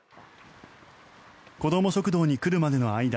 子ども食堂に来るまでの間